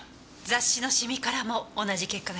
雑誌のシミからも同じ結果が出たわ。